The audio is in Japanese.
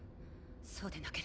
そうでなければ。